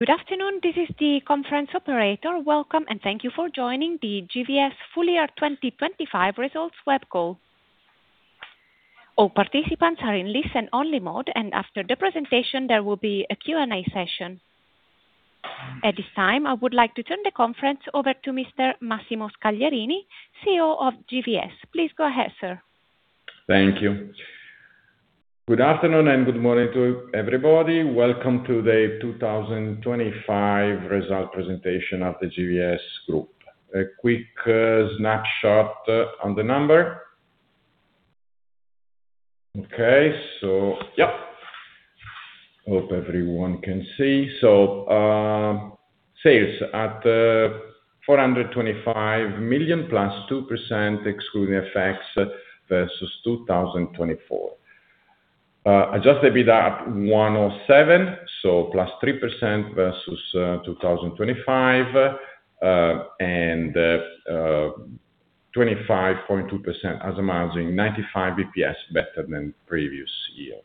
Good afternoon. This is the conference operator. Welcome, and thank you for joining the GVS full year 2025 results web call. All participants are in listen-only mode, and after the presentation, there will be a Q&A session. At this time, I would like to turn the conference over to Mr. Massimo Scagliarini, CEO of GVS. Please go ahead, sir. Thank you. Good afternoon and good morning to everybody. Welcome to the 2025 result presentation of the GVS Group. A quick snapshot on the number. Hope everyone can see. Sales at 425 million+ 2% excluding FX versus 2024. Adjusted EBITDA at EUR 107, +3% versus 2024, and 25.2% as a margin, 95 BPS better than previous year.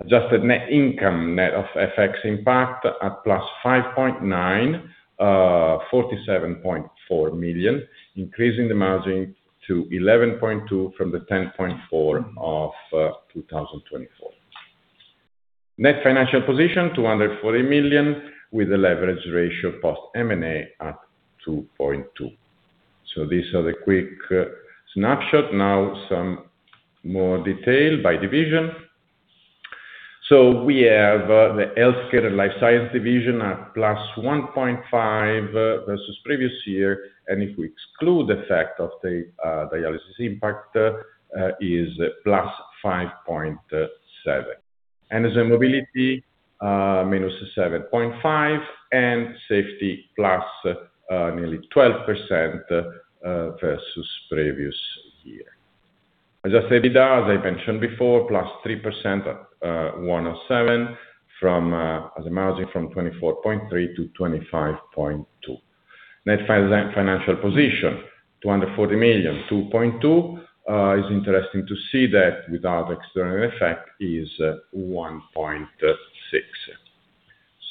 Adjusted net income, net of FX impact at +5.9, 47.4 million, increasing the margin to 11.2% from the 10.4% of 2024. Net financial position, 240 million with a leverage ratio post M&A at 2.2. These are the quick snapshot. Now, some more detail by division. We have the Healthcare & Life Sciences division at +1.5% versus previous year, and if we exclude the effect of the dialysis impact, is +5.7%. Energy & Mobility -7.5%, and Safety + nearly 12%, versus previous year. Adjusted EBITDA, as I mentioned before, +3% at 107, as a margin from 24.3% to 25.2%. Net financial position 240 million, 2.2. It's interesting to see that without external effect is 1.6.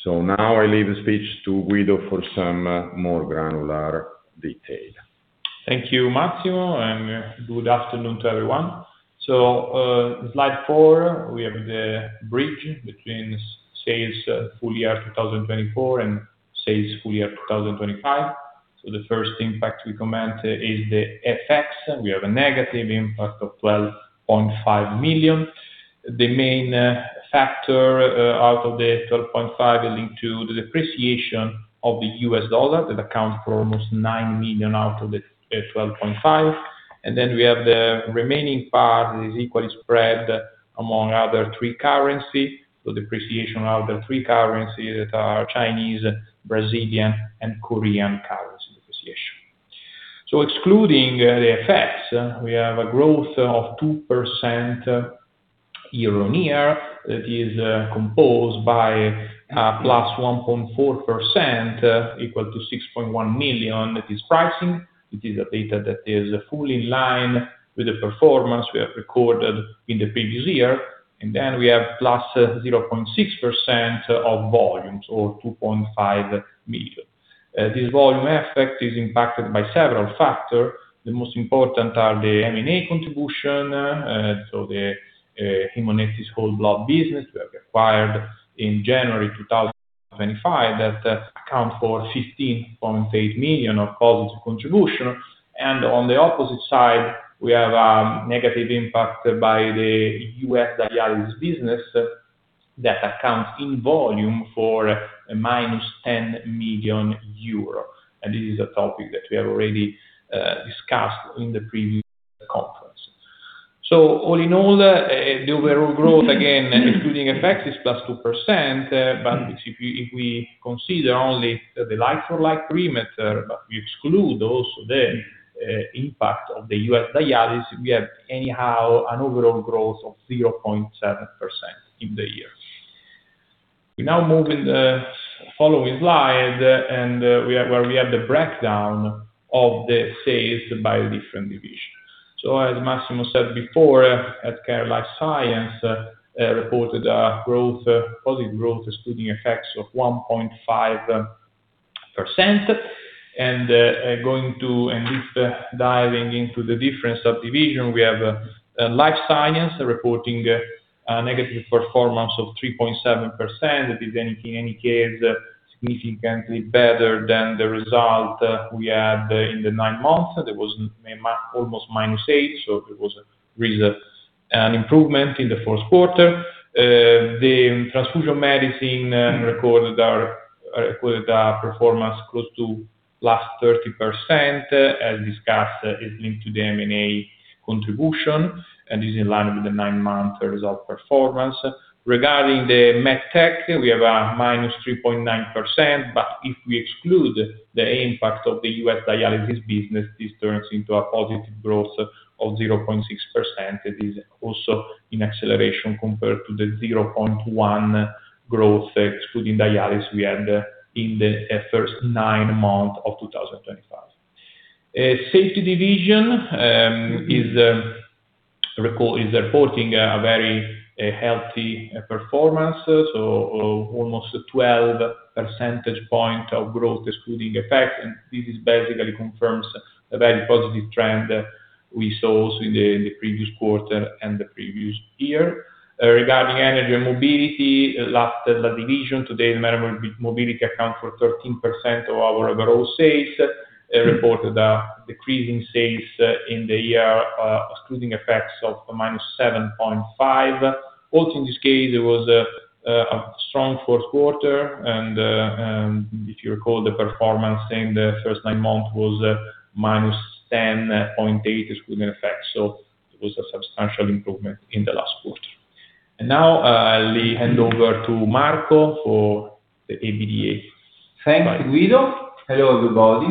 Now I leave the speech to Guido for some more granular detail. Thank you, Massimo, and good afternoon to everyone. Slide four, we have the bridge between sales full year 2024 and sales full year 2025. The first impact we comment is the FX. We have a negative impact of 12.5 million. The main factor out of the 12.5 is linked to the depreciation of the US dollar. That accounts for almost 9 million out of the 12.5. And then we have the remaining part is equally spread among other three currencies. Depreciation of the three currencies that are Chinese, Brazilian, and Korean currency depreciation. Excluding the FX, we have a growth of 2% year-on-year that is composed by +1.4% equal to 6.1 million. That is pricing. It is a data that is fully in line with the performance we have recorded in the previous year. We have +0.6% of volumes, or 2.5 million. This volume effect is impacted by several factor. The most important are the M&A contribution, so the Haemonetics whole blood business we have acquired in January 2025. That accounts for 15.8 million of positive contribution. On the opposite side, we have negative impact by the U.S. dialysis business that accounts in volume for -10 million euro. This is a topic that we have already discussed in the previous conference. All in all, the overall growth again excluding FX is +2%. If we consider only the like-for-like parameter, but we exclude also the impact of the U.S. dialysis, we have anyhow an overall growth of 0.7% in the year. We now move in the following slide, where we have the breakdown of the sales by the different divisions. As Massimo said before, Healthcare & Life Sciences reported a growth, positive growth excluding FX of 1.5%. Going to and deep diving into the different subdivision, we have Life Science reporting a negative performance of 3.7%. That is in any case significantly better than the result we had in the nine months. That was almost -8%, so it was really an improvement in the first quarter. The Transfusion Medicine recorded a performance close to +30%, as discussed. It is linked to the M&A contribution and is in line with the nine-month result performance. Regarding the MedTech, we have a -3.9%, but if we exclude the impact of the U.S. dialysis business, this turns into a positive growth of 0.6%. It is also in acceleration compared to the 0.1% growth excluding dialysis we had in the first nine-month of 2025. Safety division is reporting a very healthy performance. Almost 12 percentage point of growth excluding FX. This basically confirms a very positive trend that we saw also in the previous quarter and the previous year. Regarding energy and mobility, last division. Today, the mobility accounts for 13% of our overall sales. It reported a decrease in sales in the year excluding effects of -7.5%. Also, in this case, there was a strong fourth quarter and if you recall the performance in the first 9 months was -10.8 excluding effects. It was a substantial improvement in the last quarter. Now, I'll hand over to Marco for the EBITDA. Thanks, Guido. Hello, everybody.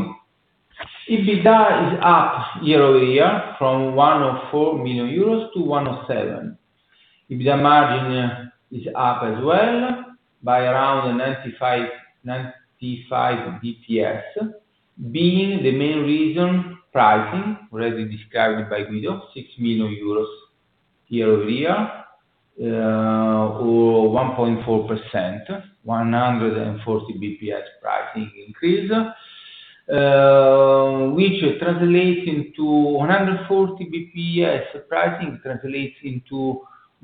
EBITDA is up year-over-year from 104 million euros to 107 million EUR. EBITDA margin is up as well by around 95 basis points, being the main reason pricing already described by Guido, 6 million euros year-over-year, or 1.4%, 140 basis points pricing increase, which translates into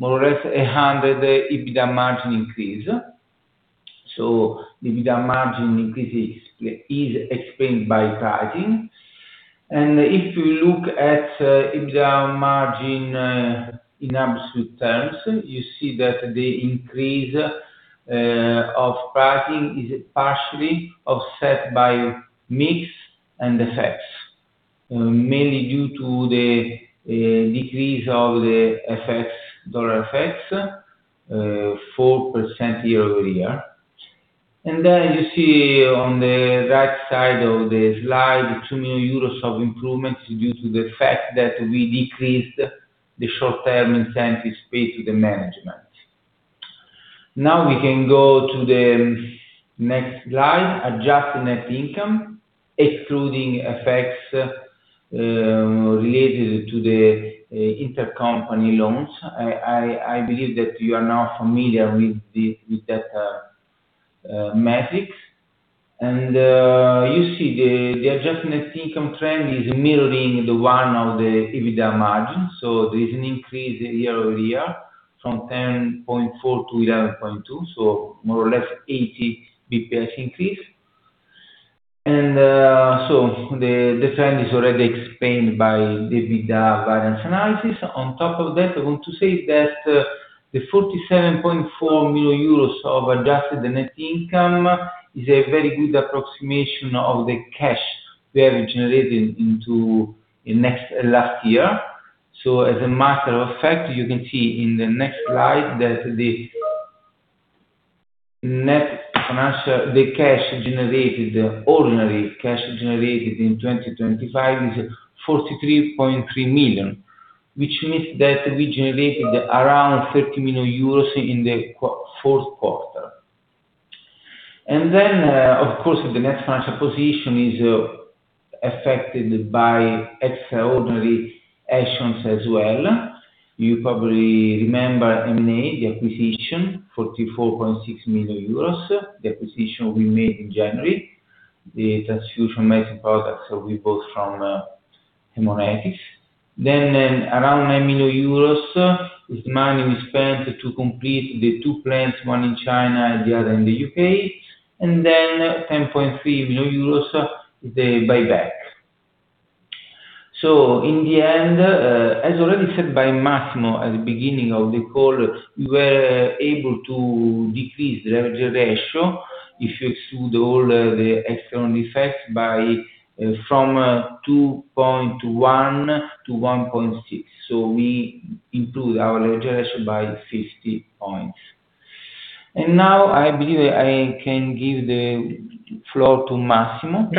more or less a 100 EBITDA margin increase. The EBITDA margin increase is explained by pricing. If you look at EBITDA margin in absolute terms, you see that the increase of pricing is partially offset by mix and FX, mainly due to the decrease of the dollar FX, 4% year-over-year. Then you see on the right side of the slide, 2 million euros of improvements due to the fact that we decreased the short-term incentives paid to the management. Now we can go to the next slide. Adjusted net income excluding effects related to the intercompany loans. I believe that you are now familiar with that metrics. You see the adjusted net income trend is mirroring the one of the EBITDA margin. There's an increase year-over-year from 10.4% to 11.2%. More or less eighty basis points increase. The trend is already explained by the EBITDA variance analysis. On top of that, I want to say that the 47.4 million euros of adjusted net income is a very good approximation of the cash we have generated in the last year. As a matter of fact, you can see in the next slide that the cash generated, ordinary cash generated in 2025 is 43.3 million, which means that we generated around 30 million euros in the fourth quarter. Of course, the net financial position is affected by extraordinary actions as well. You probably remember M&A, the acquisition, 44.6 million euros. The acquisition we made in January, the transfusion medicine products we bought from Haemonetics. Around 9 million euros is money we spent to complete the two plants, one in China and the other in the U.K. 10.3 million euros is the buyback. In the end, as already said by Massimo at the beginning of the call, we were able to decrease leverage ratio if you exclude all the external effects from 2.1 to 1.6. We improved our leverage ratio by 50 points. Now, I believe I can give the floor to Massimo.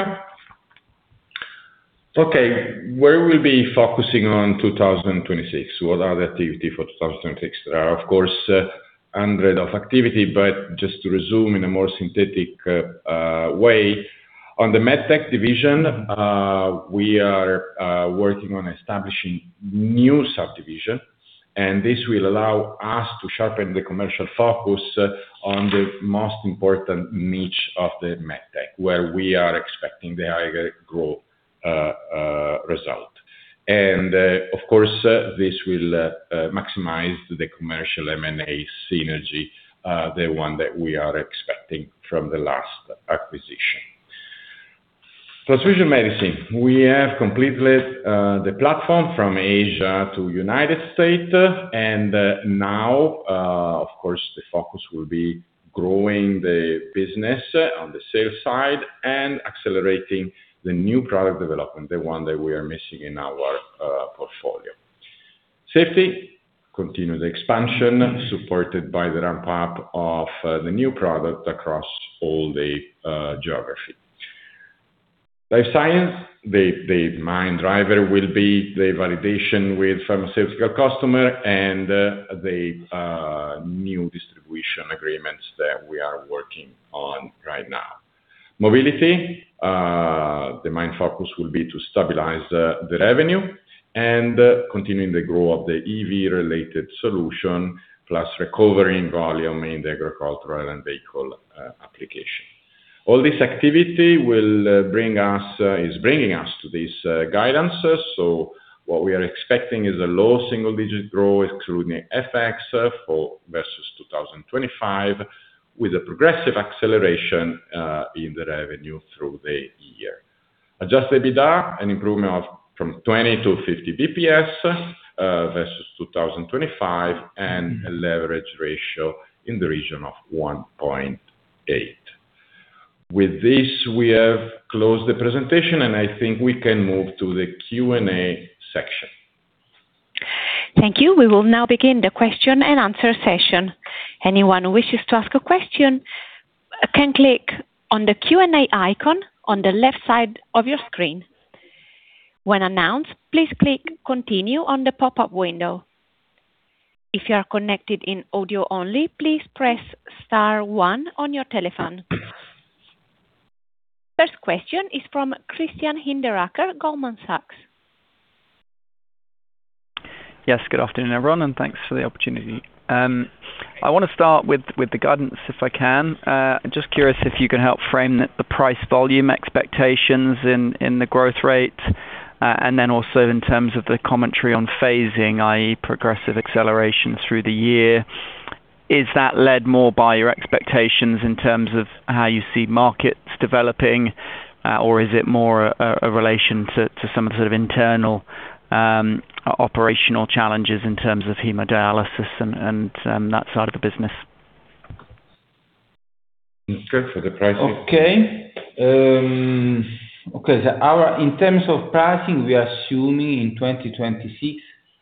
Where we'll be focusing on 2026. What are the activities for 2026? There are, of course, hundreds of activities, but just to resume in a more synthetic way. On the MedTech division, we are working on establishing new subdivision, and this will allow us to sharpen the commercial focus on the most important niche of the MedTech, where we are expecting the higher growth result. Of course, this will maximize the commercial M&A synergy, the one that we are expecting from the last acquisition, Transfusion Medicine. We have completed the platform from Asia to United States. Now, of course, the focus will be growing the business on the sales side and accelerating the new product development, the one that we are missing in our portfolio. Safety. Continue the expansion supported by the ramp-up of the new product across all the geography. Life Sciences. The main driver will be the validation with pharmaceutical customer and the new distribution agreements that we are working on right now. Mobility, the main focus will be to stabilize the revenue and continuing the growth of the EV related solution, plus recovering volume in the agricultural and vehicle application. All this activity is bringing us to these guidances. What we are expecting is a low single-digit growth including FX for 2024 versus 2025, with a progressive acceleration in the revenue through the year. Adjusted EBITDA, an improvement of 20-50 BPS versus 2025, and a leverage ratio in the region of 1.8. With this, we have closed the presentation, and I think we can move to the Q&A section. Thank you. We will now begin the question and answer session. Anyone who wishes to ask a question can click on the Q&A icon on the left side of your screen. When announced, please click Continue on the pop-up window. If you are connected in audio only, please press star one on your telephone. First question is from Christian Hinderaker, Goldman Sachs. Yes. Good afternoon, everyone, and thanks for the opportunity. I want to start with the guidance, if I can. Just curious if you can help frame the price volume expectations in the growth rate, and then also in terms of the commentary on phasing, i.e., progressive acceleration through the year. Is that led more by your expectations in terms of how you see markets developing? Is it more a relation to some of the sort of internal operational challenges in terms of hemodialysis and that side of the business? Go for the pricing. In terms of pricing, we are assuming in 2026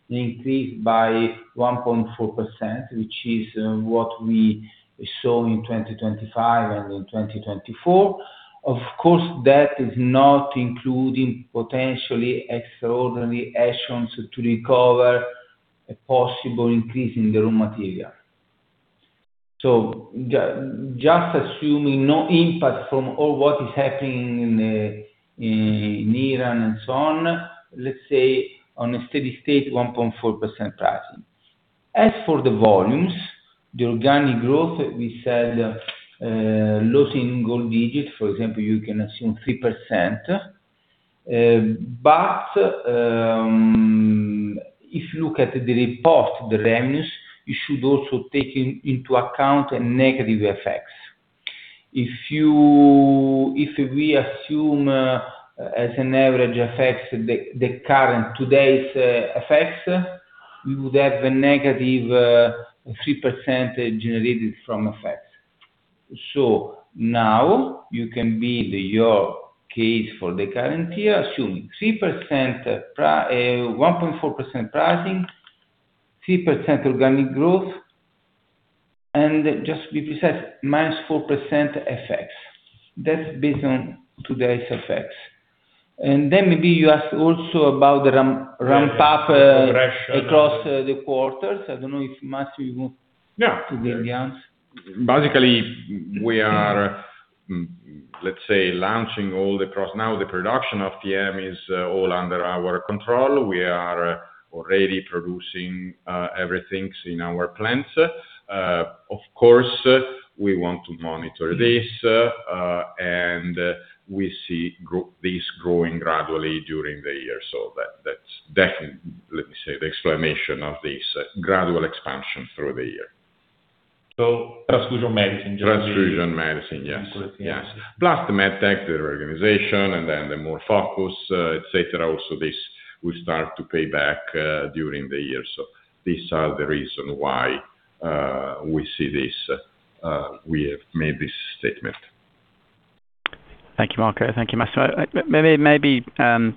an increase by 1.4%, which is what we saw in 2025 and in 2024. Of course, that is not including potentially extraordinary actions to recover a possible increase in the raw material. Just assuming no impact from all what is happening in Iran and so on, let's say on a steady state, 1.4% pricing. As for the volumes, the organic growth, we said, low single digit, for example, you can assume 3%. But if you look at the report, the revenues, you should also take into account negative FX effects. If we assume, as average effects, the current, today's effects, we would have a negative 3% generated from FX effects. Now you can build your case for the current year, assuming 1.4% pricing, 3% organic growth, and just what you said, -4% FX effects. That's based on today's FX effects. Then maybe you ask also about the ramp up across the quarters. I don't know if Massimo, you want to give the answer. Yeah. Basically, we are, let's say launching all the products. Now, the production of TM is all under our control. We are already producing everything in our plants. Of course, we want to monitor this, and we see this growing gradually during the year. That, that's definitely, let me say, the explanation of this gradual expansion through the year. Transfusion Medicine. Transfusion Medicine, yes. Yes. Plus the MedTech, the organization, and then the more focus, et cetera. Also this will start to pay back during the year. These are the reason why we see this, we have made this statement. Thank you, Marco. Thank you, Massimo. Maybe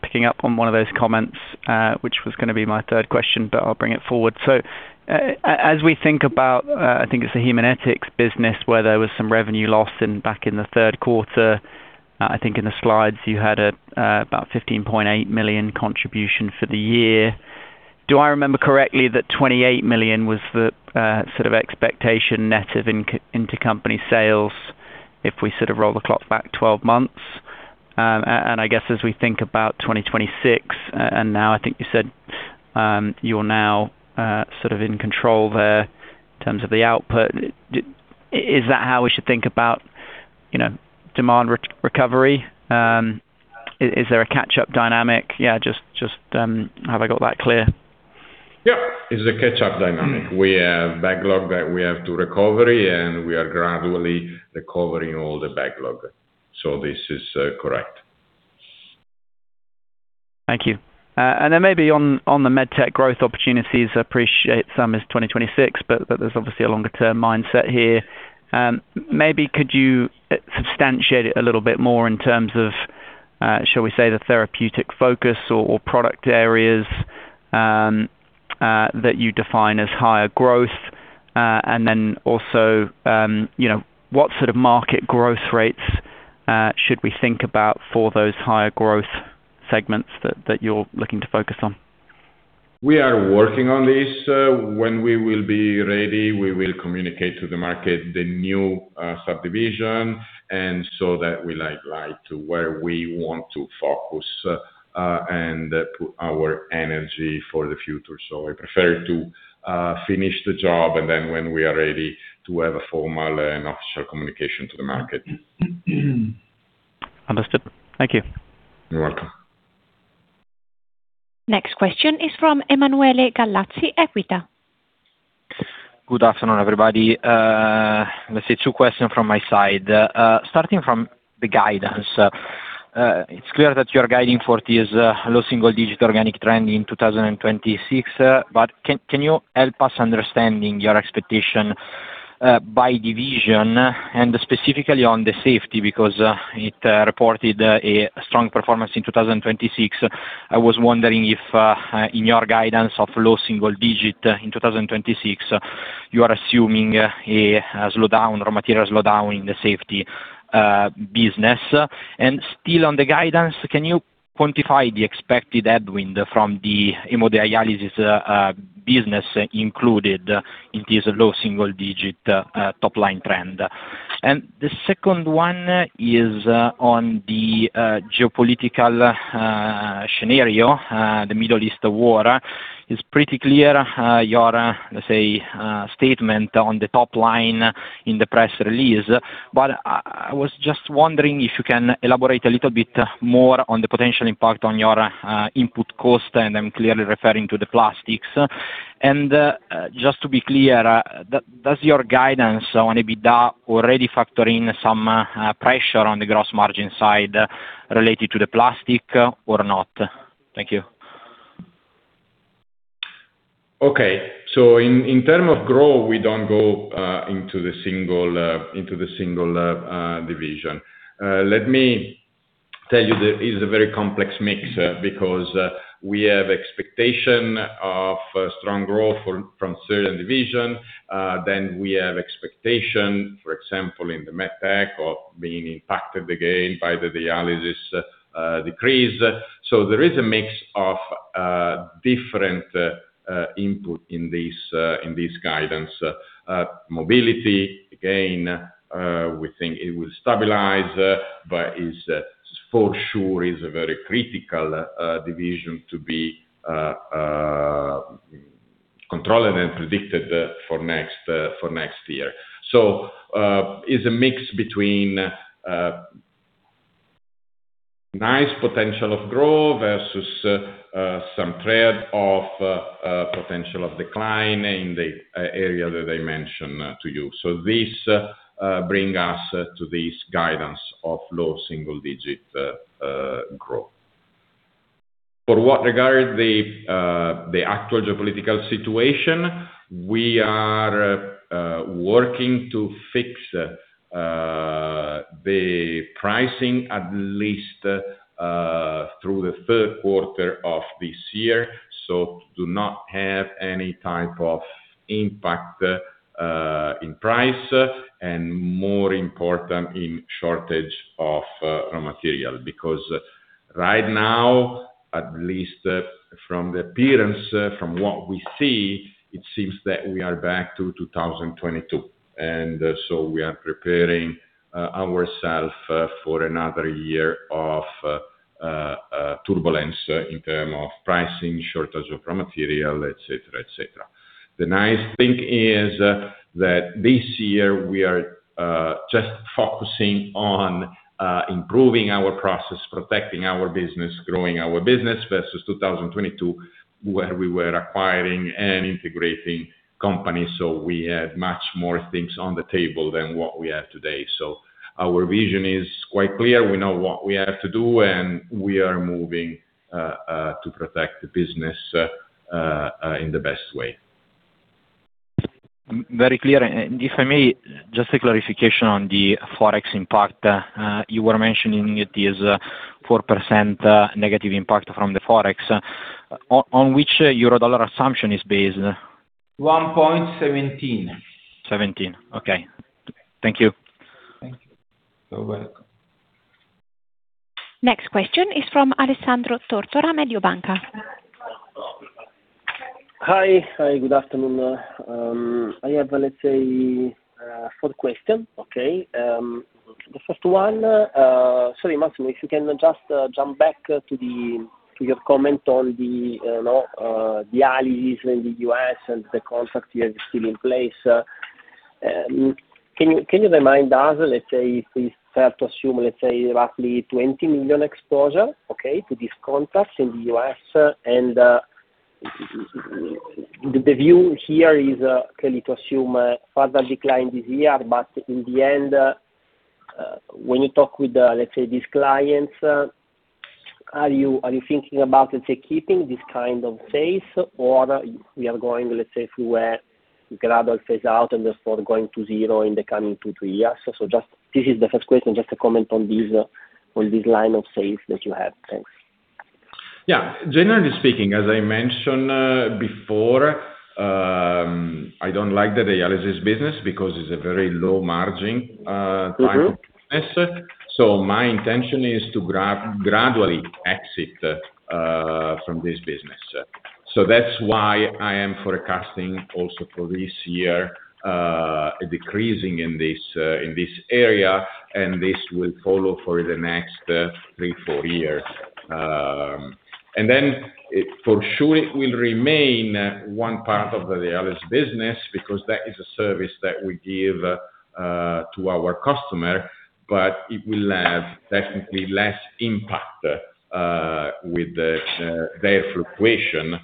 picking up on one of those comments, which was gonna be my third question, but I'll bring it forward. As we think about, I think it's the Haemonetics business where there was some revenue loss back in the third quarter. I think in the slides you had about 15.8 million contribution for the year. Do I remember correctly that 28 million was the sort of expectation net of intercompany sales if we sort of roll the clock back twelve months? And I guess as we think about 2026, and now I think you said, you're now sort of in control there in terms of the output. Is that how we should think about, you know, demand recovery? Is there a catch-up dynamic? Yeah, just have I got that clear? Yeah. It's a catch-up dynamic. We have backlog that we have to recover, and we are gradually recovering all the backlog. This is correct. Thank you. Maybe on the MedTech growth opportunities. I appreciate some in 2026, but there's obviously a longer term mindset here. Maybe could you substantiate it a little bit more in terms of, shall we say, the therapeutic focus or product areas that you define as higher growth? Also, you know, what sort of market growth rates should we think about for those higher growth segments that you're looking to focus on? We are working on this. When we will be ready, we will communicate to the market the new subdivision, and so that we highlight where we want to focus, and put our energy for the future. I prefer to finish the job, and then when we are ready to have a formal and official communication to the market. Understood. Thank you. You're welcome. Next question is from Emanuele Gallazzi, Equita. Good afternoon, everybody. Let's say two questions from my side. Starting from the guidance. It's clear that you are guiding for this low single digit organic trend in 2026. Can you help us understand your expectation by division and specifically on the Safety because it reported a strong performance in 2026. I was wondering if in your guidance of low single digit in 2026, you are assuming a slowdown or material slowdown in the Safety business. Still on the guidance, can you quantify the expected headwind from the hemodialysis business included in this low single digit top line trend? The second one is on the geopolitical scenario, the Middle East war. It's pretty clear, your, let's say, statement on the top line in the press release. I was just wondering if you can elaborate a little bit more on the potential impact on your input cost, and I'm clearly referring to the plastics. Just to be clear, does your guidance on EBITDA already factor in some pressure on the gross margin side related to the plastic or not? Thank you. Okay. In terms of growth, we don't go into the single division. Let me tell you that it's a very complex mix because we have expectation of strong growth from certain division. Then we have expectation, for example, in the MedTech of being impacted again by the dialysis decrease. There is a mix of different input in this guidance. Mobility, again, we think it will stabilize, but it is for sure a very critical division to be controlled and predicted for next year. It's a mix between nice potential of growth versus some threat of potential of decline in the area that I mentioned to you. This brings us to this guidance of low single-digit growth. With regard to the actual geopolitical situation, we are working to fix the pricing at least through the third quarter of this year to not have any type of impact on price, and more important, in shortage of raw material. Because right now, at least, from what we see, it seems that we are back to 2022, and we are preparing ourselves for another year of turbulence in terms of pricing, shortage of raw material, etcetera, etcetera. The nice thing is that this year we are just focusing on improving our process, protecting our business, growing our business versus 2022, where we were acquiring and integrating companies. We had much more things on the table than what we have today. Our vision is quite clear. We know what we have to do, and we are moving to protect the business in the best way. Very clear. If I may, just a clarification on the Forex impact. You were mentioning it is 4%, negative impact from the Forex. On which Euro dollar assumption is based? 1.17. 17. Okay. Thank you. You're welcome. Next question is from Alessandro Tortora, Mediobanca. Hi. Hi, good afternoon. I have, let's say, four question. Okay. The first one, sorry, Massimo, if you can just jump back to your comment on the, you know, dialysis in the U.S. and the contract you have still in place. Can you remind us, let's say if we start to assume, let's say roughly 20 million exposure, okay, to this contract in the U.S. and the view here is clearly to assume a further decline this year, but in the end, when you talk with, let's say, these clients, are you thinking about, let's say keeping this kind of pace or we are going, let's say if we were gradual phase out and therefore going to zero in the coming two, three years? Just this is the first question, just a comment on this, on this line of pace that you have. Thanks. Yeah. Generally speaking, as I mentioned before, I don't like the dialysis business because it's a very low margin. Mm-hmm. Type of business. My intention is to gradually exit from this business. That's why I am forecasting also for this year, a decreasing in this area, and this will follow for the next three, four years. For sure it will remain one part of the dialysis business because that is a service that we give to our customer, but it will have definitely less impact with their fluctuation,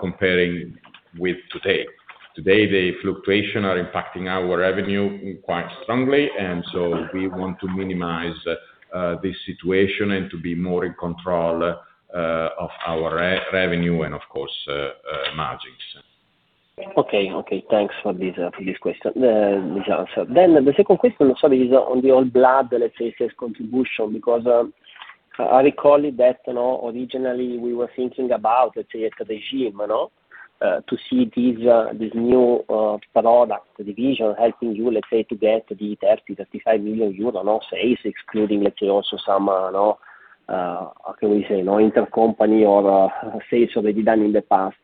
comparing with today. Today, the fluctuation are impacting our revenue quite strongly, and we want to minimize this situation and to be more in control of our revenue and of course, margins. Okay. Thanks for this question. This answer. The second question also is on the whole blood, let's say, sales contribution because I recall that, you know, originally we were thinking about, let's say, as a range, you know, to see this new product division helping you, let's say, to get the 35 million euro net sales excluding, let's say, also some intercompany or sales already done in the past.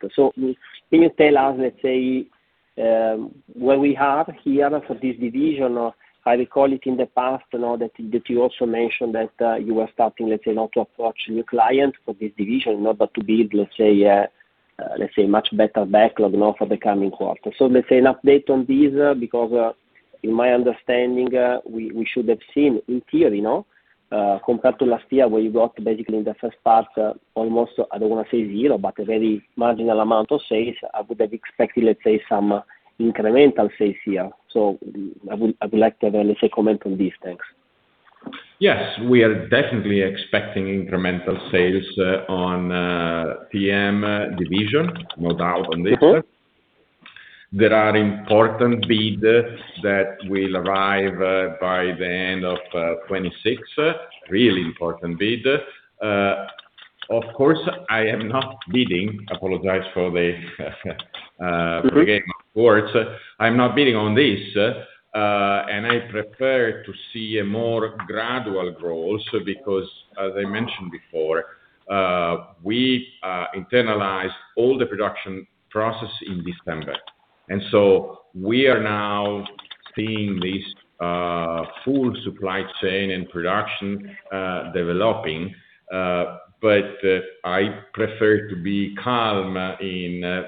Can you tell us, let's say, where we are here for this division? I recall in the past, you know, that you also mentioned that you were starting, let's say, now to approach new clients for this division in order to build, let's say, much better backlog, you know, for the coming quarter. Let's say an update on this, because in my understanding we should have seen in theory compared to last year, where you got basically in the first part almost, I don't wanna say zero, but a very marginal amount of sales. I would have expected, let's say, some incremental sales here. I would like to have, let's say, comment on this. Thanks. Yes. We are definitely expecting incremental sales on PM division, no doubt on this. Okay. There are important bid that will arrive by the end of 2026. Really important bid. Of course, I am not bidding. I apologize for the Mm-hmm Forgetting my words. I'm not bidding on this, and I prefer to see a more gradual growth because as I mentioned before, we internalized all the production process in December, and so we are now seeing this full supply chain and production developing. I prefer to be calm in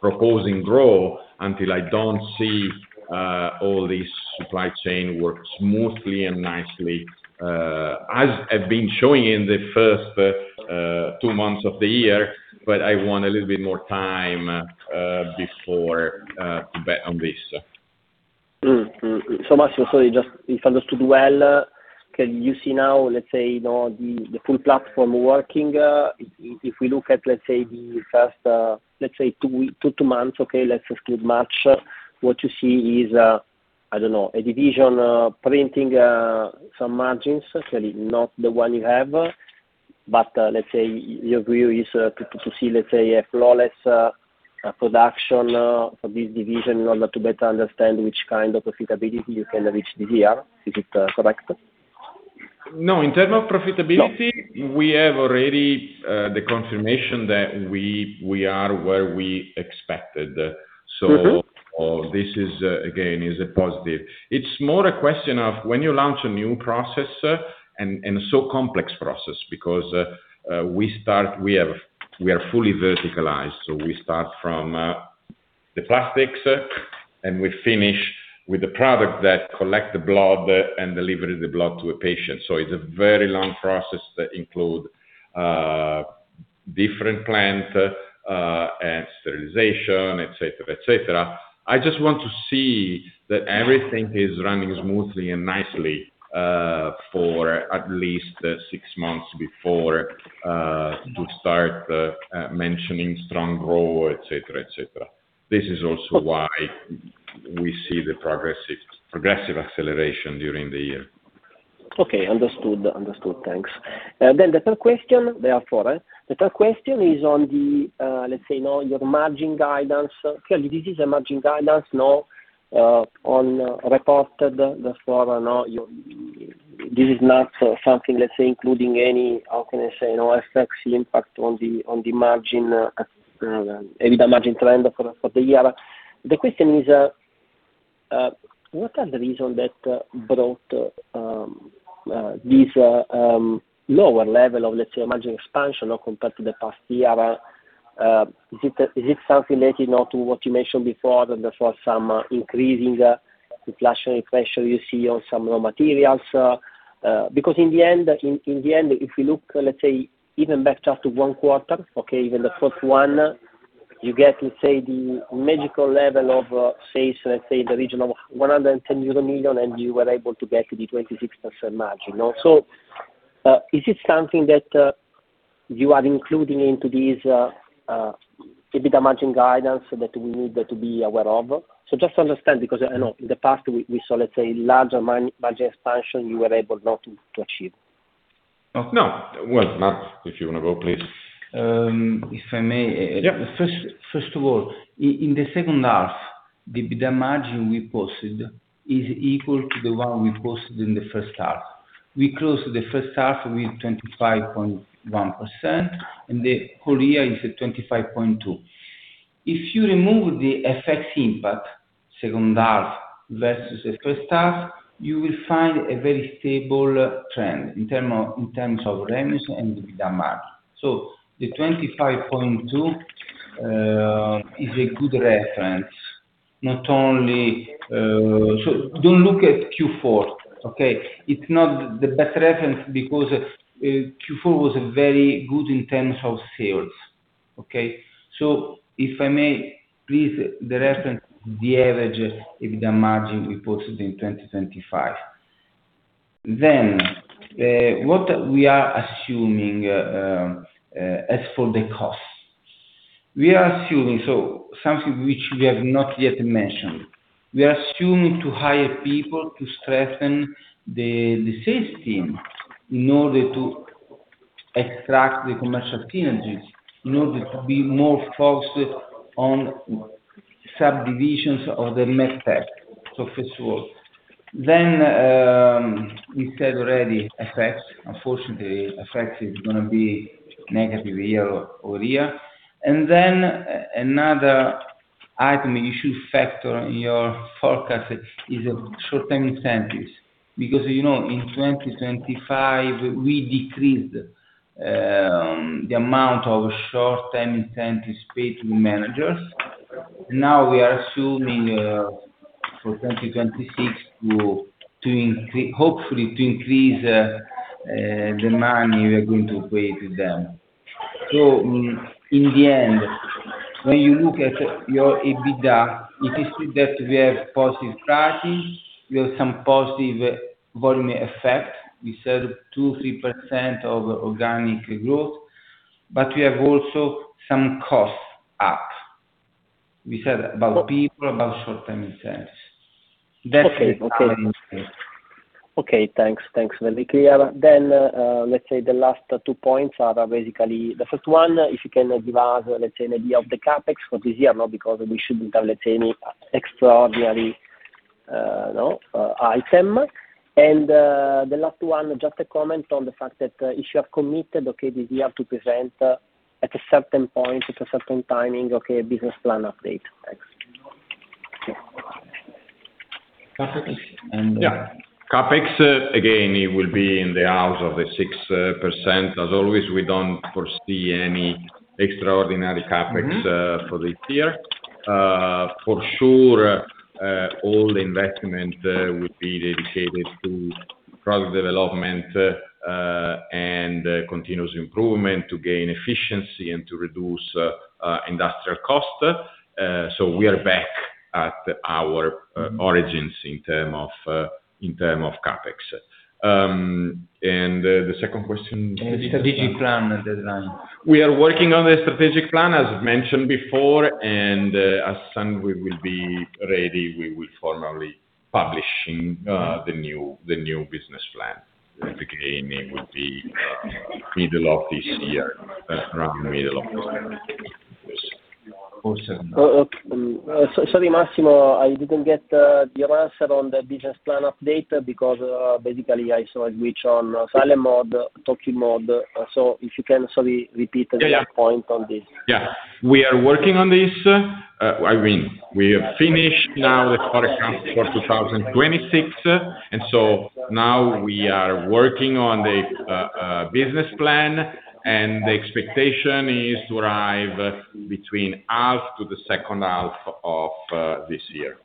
proposing growth until I don't see all this supply chain work smoothly and nicely, as I've been showing in the first two months of the year. I want a little bit more time before to bet on this. Massimo, just if I understood well, can you see now, let's say, you know, the full platform working? If we look at, let's say, the first two months, okay, let's exclude March, what you see is, I don't know, a division printing some margins, certainly not the one you have, but let's say your view is to see a flawless production for this division in order to better understand which kind of profitability you can reach this year. Is it correct? No. In terms of profitability. No. ...we have already the confirmation that we are where we expected. Mm-hmm. This is again a positive. It's more a question of when you launch a new process and so complex process because we are fully verticalized, so we start from the plastics, and we finish with the product that collect the blood and deliver the blood to a patient. It's a very long process that include different plant and sterilization, etcetera. I just want to see that everything is running smoothly and nicely for at least six months before to start mentioning strong growth, etcetera. This is also why we see the progressive acceleration during the year. Okay. Understood. Thanks. The third question is on the, let's say, you know, your margin guidance. Clearly, this is a margin guidance on reported. This is not something, let's say, including any, how can I say, effects, the impact on the margin, EBITDA margin trend for the year. The question is, what are the reason that brought this lower level of, let's say, margin expansion, compared to the past year? Is it something related, now, to what you mentioned before, that there's some increasing inflationary pressure you see on some raw materials? Because in the end, if you look, let's say, even back just to one quarter, okay, even the first one, you get, let's say, the magical level of sales, let's say, in the region of 110 million euro, and you were able to get the 26% margin. Is this something that you are including into this EBITDA margin guidance that we need to be aware of? Just to understand, because I know in the past we saw, let's say, larger margin expansion you were able now to achieve. No. Well, Marco, if you wanna go, please. If I may. Yeah. First of all, in the second half, the EBITDA margin we posted is equal to the one we posted in the first half. We closed the first half with 25.1%, and the whole year is at 25.2%. If you remove the FX impact, second half versus the first half, you will find a very stable trend in terms of revenues and EBITDA margin. The 25.2% is a good reference, not only. Don't look at Q4, okay? It's not the best reference because Q4 was very good in terms of sales, okay? If I may, please, the reference, the average EBITDA margin we posted in 2025. What we are assuming as for the costs. We are assuming something which we have not yet mentioned. We are assuming to hire people to strengthen the sales team in order to extract the commercial synergies, in order to be more focused on subdivisions of the MedTech, so first of all. We said already FX. Unfortunately, FX is gonna be negative year-over-year. Another item you should factor in your forecast is short-term incentives. Because, you know, in 2025, we decreased the amount of short-term incentives paid to managers. Now we are assuming for 2026 to increase hopefully the money we are going to pay to them. In the end, when you look at your EBITDA, it is true that we have positive pricing, we have some positive volume effect. We said 2%-3% of organic growth, but we have also some costs up. We said about people, about short-term incentives. Okay. Okay. That's it. Okay. Thanks. Very clear. Let's say the last two points are basically the first one, if you can give us, let's say, an idea of the CapEx for this year, not because we shouldn't have, let's say, any extraordinary, no, item. The last one, just a comment on the fact that if you have committed, okay, that you have to present at a certain point, at a certain timing, okay, business plan update. Thanks. CapEx and Yeah. CapEx, again, it will be in the order of 6%. As always, we don't foresee any extraordinary CapEx. Mm-hmm For this year. For sure, all investment will be dedicated to product development and continuous improvement to gain efficiency and to reduce industrial costs. We are back at our origins in terms of CapEx. The second question- Strategic plan deadline. We are working on the strategic plan, as mentioned before, and as soon as we are ready, we will formally publish the new business plan. Again, it will be middle of this year, around middle of this year. Also- Sorry, Massimo, I didn't get your answer on the business plan update because basically I saw it switch on silent mode, talking mode. If you can sorry, repeat- Yeah, yeah. the point on this. Yeah. We are working on this. I mean, we have finished now the forecast for 2026. Now we are working on the business plan, and the expectation is to arrive between half to the second half of this year.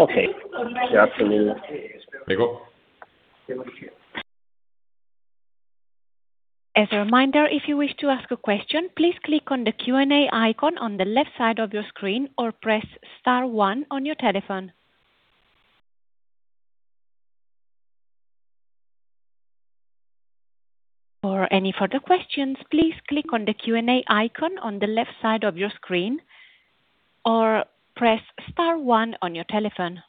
Okay. Absolutely. Prego. As a reminder, if you wish to ask a question, please click on the Q&A icon on the left side of your screen or press star one on your telephone. For any further questions, please click on the Q&A icon on the left side of your screen or press star one on your telephone.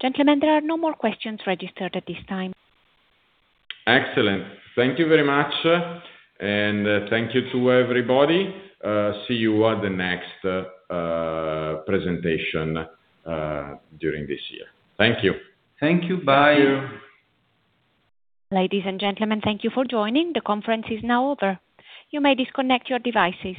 Gentlemen, there are no more questions registered at this time. Excellent. Thank you very much. Thank you to everybody. See you at the next presentation during this year. Thank you. Thank you. Bye. Thank you. Ladies and gentlemen, thank you for joining. The conference is now over. You may disconnect your devices.